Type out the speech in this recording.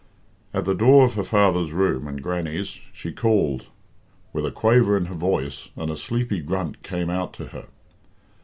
At the door of her father's room and Grannie's she called, with a quaver in her voice, and a sleepy grunt came out to her.